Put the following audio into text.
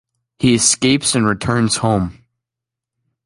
He escapes and returns home.